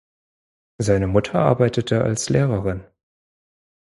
Seine Mutter arbeitete als Lehrerin.